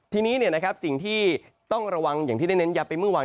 ทีนี้สิ่งที่ต้องระวังอย่างที่ได้เน้นยับไปเมื่อวาน